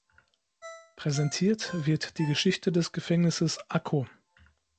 Präsentiert wird die Geschichte des Gefängnisses Akko.